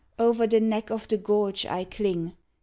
Over the neck of the gorge, I cling.